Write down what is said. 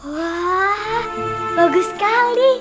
wah bagus sekali